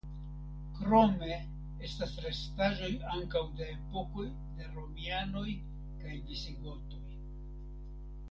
Krome estas restaĵoj ankaŭ de epokoj de romianoj kaj visigotoj.